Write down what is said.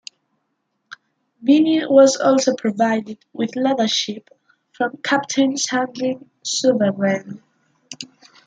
Bini was also provided with leadership from captain Sandrine Soubeyrand.